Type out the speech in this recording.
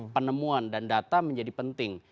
penemuan dan data menjadi penting